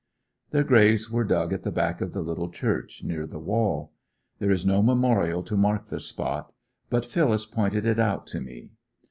Their graves were dug at the back of the little church, near the wall. There is no memorial to mark the spot, but Phyllis pointed it out to me.